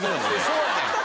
そうやね。